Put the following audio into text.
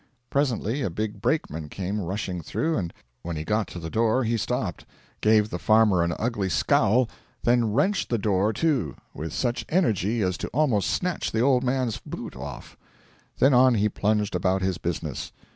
Presently a big brakeman came rushing through, and when he got to the door he stopped, gave the farmer an ugly scowl, then wrenched the door to with such energy as to almost snatch the old man's boot off. Then on he plunged about his business.